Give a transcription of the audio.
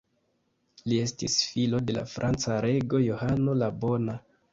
Li estis filo de la franca rego Johano la Bona.